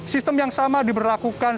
sistem yang sama diberlakukan